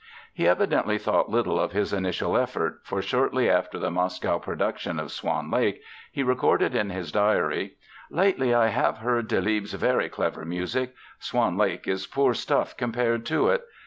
He evidently thought little of his initial effort, for shortly after the Moscow production of Swan Lake he recorded in his diary: "Lately I have heard Delibes' very clever music. 'Swan Lake' is poor stuff compared to it.